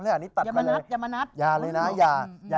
อย่ามานัด